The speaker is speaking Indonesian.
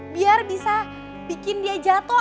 biar bisa bikin dia jatuh